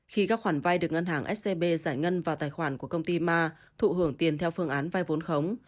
khi các khoản vay được ngân hàng scb giải ngân vào tài khoản của công ty ma thụ hưởng tiền theo phương án vai vốn khống